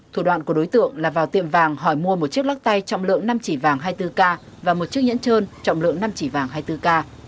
thủ đoạn của đối tượng là vào tiệm vàng hỏi mua một chiếc lắc tay trọng lượng năm chỉ vàng hai mươi bốn k và một chiếc nhẫn trơn trọng lượng năm chỉ vàng hai mươi bốn k